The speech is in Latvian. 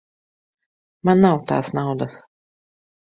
Man nav tās naudas.